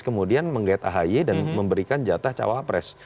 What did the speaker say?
kemudian menggait ahy dan memberikan jatah cawapres